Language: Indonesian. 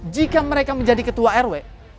jika mereka menjadi ketua rw